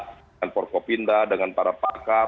dengan forkopinda dengan para pakar